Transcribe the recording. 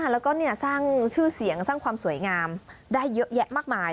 แล้วก็สร้างชื่อเสียงสร้างความสวยงามได้เยอะแยะมากมาย